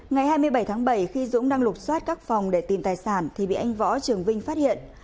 ngày hai mươi bảy tháng bảy khi dũng đang lục xoát các phòng để tìm tài sản thì bị anh võ trường vinh phát hiện